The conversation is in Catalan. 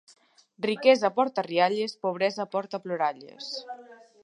Riquesa porta rialles, pobresa porta ploralles.